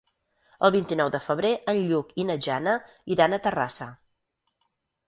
El vint-i-nou de febrer en Lluc i na Jana iran a Terrassa.